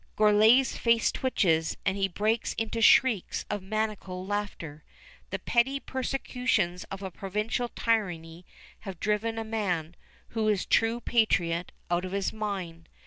Gourlay's face twitches, and he breaks into shrieks of maniacal laughter. The petty persecutions of a provincial tyranny have driven a man, who is true patriot, out of his mind.